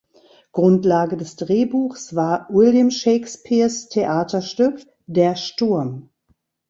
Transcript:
Grundlage des Drehbuchs war William Shakespeares Theaterstück "Der Sturm".